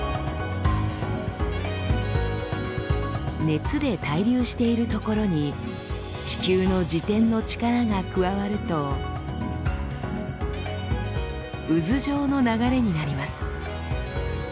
熱で対流しているところに地球の自転の力が加わると渦状の流れになります。